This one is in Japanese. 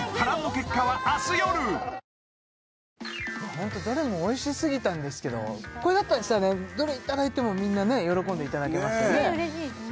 ホントにどれもおいしすぎたんですけどこれだったらどれいただいてもみんなね喜んでいただけますねねぇ嬉しいですね